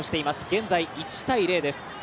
現在、１−０です。